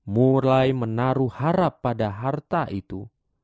mulai menaruh harap pada harta itu